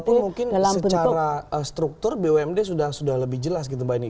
walaupun mungkin secara struktur bumd sudah lebih jelas gitu mbak nini